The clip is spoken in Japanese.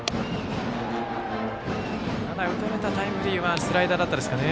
ただ、打たれたタイムリーはスライダーだったですかね。